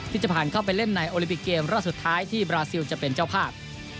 ที่จะผ่านเข้าไปเล่นในโอลิปิกเกมรอบสุดท้ายที่บราซิลจะเป็นเจ้าภาพ